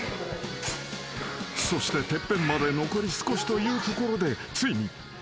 ［そしててっぺんまで残り少しというところでついにやす子の心が折れる］